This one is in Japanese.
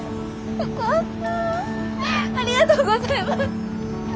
よかった！